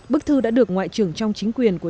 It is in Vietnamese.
bức thư đã được ngoại trưởng trong chính quyền quốc gia